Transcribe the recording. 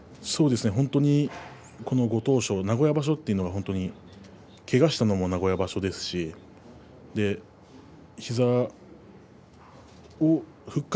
本当にこのご当所名古屋場所というのはけがをしたのも名古屋場所ですし膝を復活。